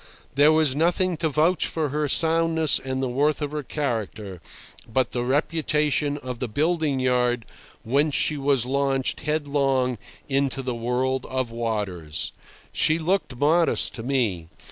There was nothing to vouch for her soundness and the worth of her character, but the reputation of the building yard whence she was launched headlong into the world of waters. She looked modest to me.